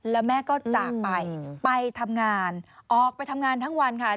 แล้วแม่ก็จากไปไปทำงานออกไปทำงานทั้งวันค่ะ